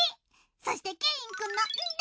そしてケインくんの「ん」で。